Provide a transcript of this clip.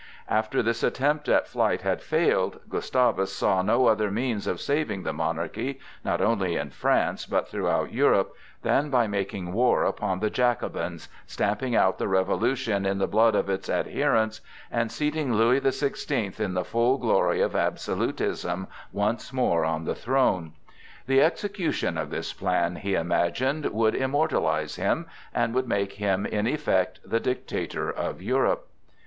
After this attempt at flight had failed, Gustavus saw no other means of saving the monarchy—not only in France, but throughout Europe—than by making war upon the Jacobins, stamping out the Revolution in the blood of its adherents, and seating Louis the Sixteenth in the full glory of absolutism once more on the throne. The execution of this plan, he imagined, would immortalize him, and would make him in effect the dictator of Europe.